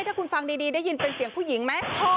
ถ้าคุณฟังดีได้ยินเป็นเสียงผู้หญิงไหม